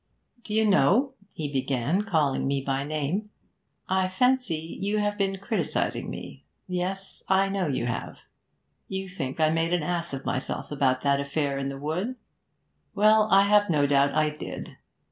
'Do you know,' he began, calling me by my name, 'I fancy you have been criticising me yes, I know you have. You think I made an ass of myself about that affair in the wood. Well, I have no doubt I did.